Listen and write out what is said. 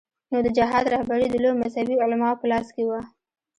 نو د جهاد رهبري د لویو مذهبي علماوو په لاس کې وه.